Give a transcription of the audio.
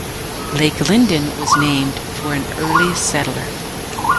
Lake Linden was named for an early settler.